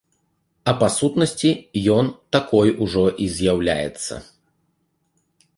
А па сутнасці, ён такой ужо і з'яўляецца.